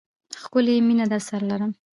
ښکلی یې، مینه درسره لرم